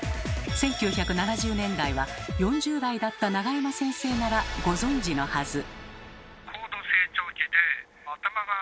１９７０年代は４０代だった永山先生ならご存じのはず。